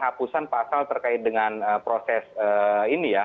hapusan pasal terkait dengan proses ini ya